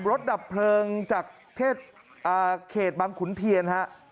รถดับเพลิงจากเขตบางขุนเทียนครับ